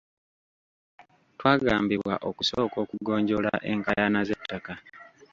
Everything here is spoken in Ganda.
Twagambibwa okusooka okugonjoola enkaayana z'ettaka.